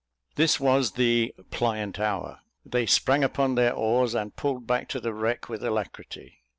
This was the "pliant hour;" they sprang upon their oars, and pulled back to the wreck with alacrity.